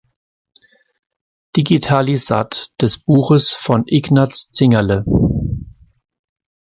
Digitalisat des Buches von Ignaz Zingerle